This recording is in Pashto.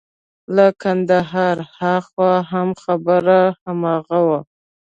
له کندهاره هاخوا هم خبره هماغه وه.